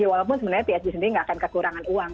walaupun sebenarnya psg sendiri nggak akan kekurangan uang